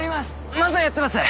漫才やってます。